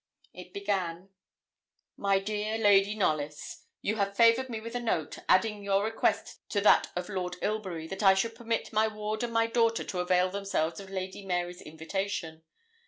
It began 'MY DEAR LADY KNOLLYS. You have favoured me with a note, adding your request to that of Lord Ilbury, that I should permit my ward and my daughter to avail themselves of Lady Mary's invitation.